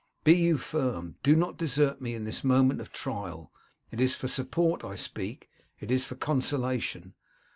Be you firm. Do not desert me in this moment of trial. It is for support I speak; it is for consolation.